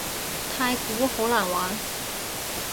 太鼓好難玩